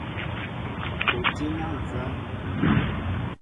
O tí na nzá ?